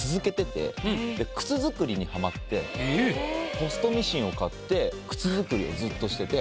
ポストミシンを買って靴作りをずっとしてて。